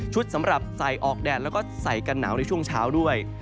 สำหรับใส่ออกแดดแล้วก็ใส่กันหนาวในช่วงเช้าด้วย